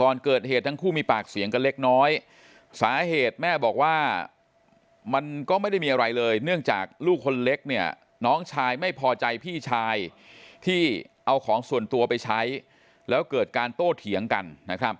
ก่อนเกิดเหตุทั้งคู่มีปากเสียงกันเล็กน้อยสาเหตุแม่บอกว่ามันก็ไม่ได้มีอะไรเลยเนื่องจากลูกคนเล็กเนี่ยน้องชายไม่พอใจพี่ชายที่เอาของส่วนตัวไปใช้แล้วเกิดการโต้เถียงกันนะครับ